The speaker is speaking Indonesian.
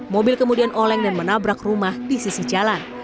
mobil kemudian oleng dan menabrak rumah di sisi jalan